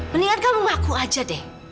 mendingan kamu ngaku aja deh